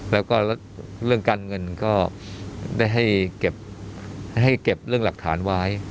แล้วก็เรื่องการเงินก็ได้ให้เก็บเรื่องหลักฐานไว้